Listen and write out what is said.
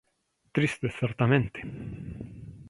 Triste, certamente!